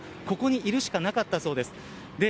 ここにいるしかなかったそうです。